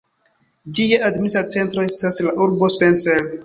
Ĝia administra centro estas la urbo Spencer.